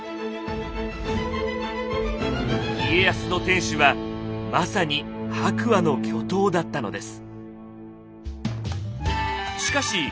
家康の天守はまさに白亜の巨塔だったのです。